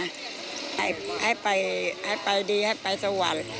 ให้ไปดีให้ไปสวรรค์